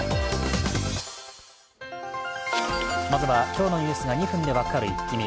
まずは、今日のニュースが２分で分かるイッキ見。